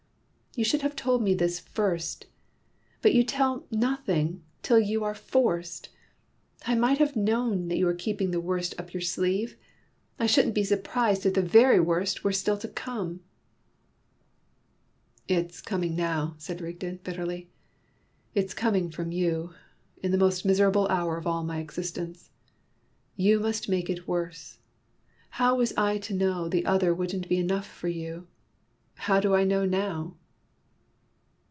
"You should have told me this first. But you tell nothing till you are forced! I might have known you were keeping the worst up your sleeve! I shouldn't be surprised if the very worst were still to come!" "It's coming now," said Rigden, bitterly; "it's coming from you, in the most miserable hour of all my existence; you must make it worse! How was I to know the other wouldn't be enough for you? How do I know now?"